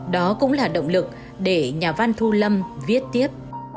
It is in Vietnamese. đó cũng là động lực để nhà văn thu lâm viết tiếp